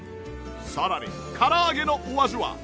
さらにからあげのお味は